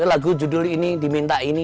lagu judul ini diminta ini